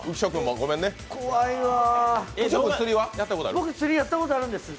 僕、やったことあるんです。